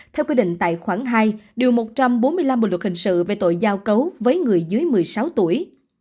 theo quy định tài khoản hai điều một trăm bốn mươi năm bộ luật hình sự về tội giao cấu với người dưới một mươi sáu tuổi